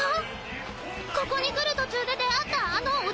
ここに来る途中で出会ったあのおじさんだ！